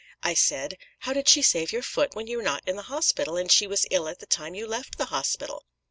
I said, 'How did she save your foot when you were not in the hospital, and she was ill at the time you left the hospital?'